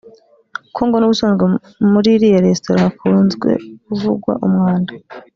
kuko ngo n’ubusanzwe muri iriya resitora hakunze kuvugwa umwanda